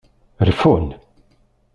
Reffun.